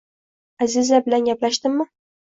— Аziza bilan gaplashdimmi?